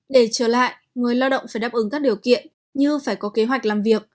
để trở lại người lao động phải đáp ứng các điều kiện như phải có kế hoạch làm việc